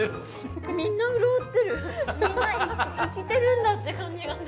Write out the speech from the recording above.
みんな潤ってるみんな生きてるんだって感じがする。